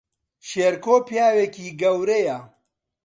شێرکۆ پیاوێکی گەورەیە